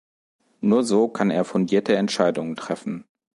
Nur so kann er fundierte Entscheidungen treffen.